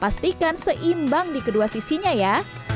pastikan seimbang di kedua sisinya ya